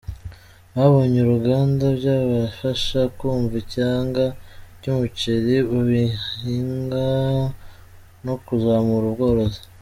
Babonye uruganda byabafasha kumva icyanga cy’umuceri bahinga no kuzamura ubworozi.